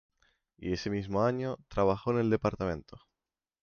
Y ese mismo año, trabajó en el Dto.